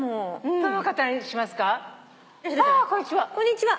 こんにちは。